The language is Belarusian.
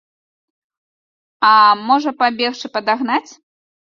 А можа, пабегчы падагнаць?